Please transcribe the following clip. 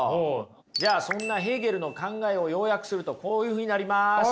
じゃあそんなヘーゲルの考えを要約するとこういうふうになります。